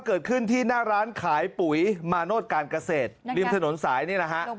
เกิดขึ้นที่หน้าร้านขายปุ๋ยมาโนธการเกษตรริมถนนสายนี่แหละฮะ